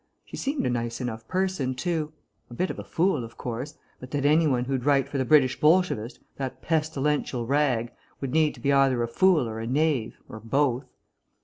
She seemed a nice enough person, too; a bit of a fool, of course, but then any one who'd write for the British Bolshevist, that pestilential rag, would need to be either a fool or a knave, or both.